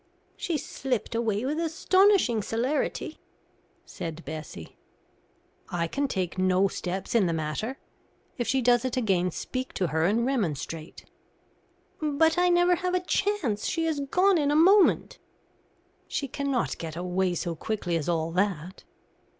"She slipped away with astonishing celerity," said Bessie. "I can take no steps in the matter. If she does it again, speak to her and remonstrate." "But I never have a chance. She is gone in a moment." "She cannot get away so quickly as all that."